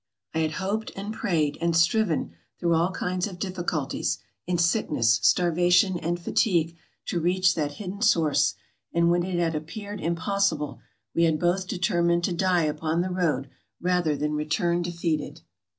I had hoped, and prayed, and striven through all kinds of difficulties, in sickness, starvation, and fatigue, to reach that hidden source ; and when it had appeared impossible, we had both determined to die upon the road rather than return defeated.